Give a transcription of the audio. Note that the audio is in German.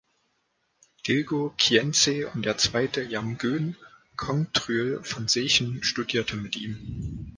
Dilgo Khyentse und der zweite Jamgön Kongtrül von Sechen studierten mit ihm.